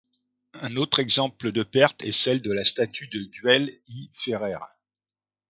Un autre exemple de perte est celle de la statue de Güell i Ferrer.